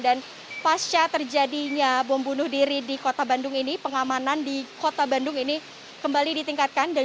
dan pasca terjadinya bom bunuh diri di kota bandung ini pengamanan di kota bandung ini kembali di tingkat kebanyakan